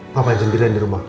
ngapain sendirian di rumah